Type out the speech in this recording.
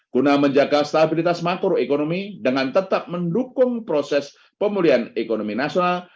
guna menjaga stabilitas makroekonomi dengan tetap mendukung proses pemulihan ekonomi nasional